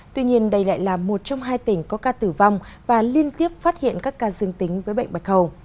tuy nhiên đây lại là một trong hai tỉnh có ca tử vong và liên tiếp phát hiện các ca dương tính với bệnh bạch hầu